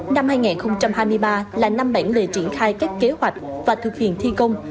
năm hai nghìn hai mươi ba là năm bản lề triển khai các kế hoạch và thực hiện thi công